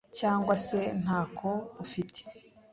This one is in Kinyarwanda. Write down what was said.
cyangwa se ntako ufite,